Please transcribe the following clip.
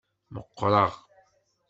Meqqreɣ.